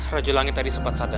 raju langit tadi sempat sadar